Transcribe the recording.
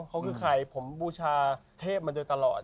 เขาคือใครผมบูชาเทพมาโดยตลอด